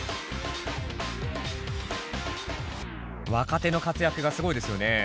若手の活躍がすごいですよね。